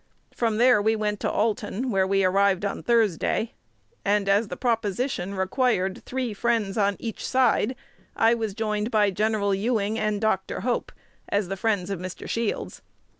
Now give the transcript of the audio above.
From there we went to Alton, where we arrived on Thursday; and, as the proposition required three friends on each side, I was joined by Gen. Ewing and Dr. Hope, as the friends of Mr. Shields.